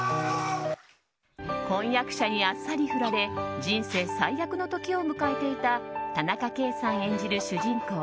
婚約者にあっさりフラれ人生最悪の時を迎えていた田中圭さん演じる主人公